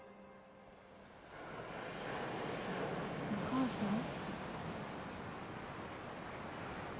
お母さん？